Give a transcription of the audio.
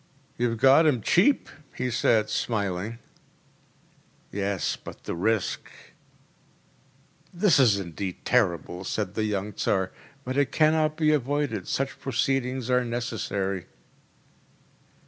“You’ve got ‚Äėem cheap,‚ÄĚ he said, smiling. “Yes but the risk ‚ÄĚ “This is indeed terrible,‚ÄĚ said the young Tsar; “but it cannot be avoided. Such proceedings are necessary.